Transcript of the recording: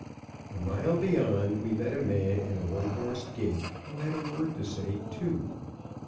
A mile beyond, we met a man in a one horse gig, who had a word to say, too.